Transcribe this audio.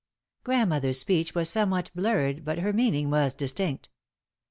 Grandmother's speech was somewhat blurred but her meaning was distinct.